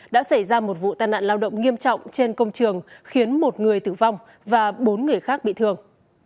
đã xảy ra một vụ tai nạn lao động nghiêm trọng trên công trường khiến một người tử vong và bốn người khác bị thương